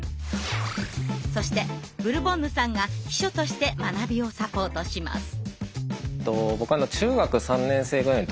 そしてブルボンヌさんが秘書として学びをサポートします。